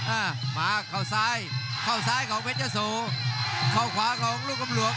อ่ามาเข้าซ้ายเข้าซ้ายของเพชรยะโสเข้าขวาของลูกกำหลวง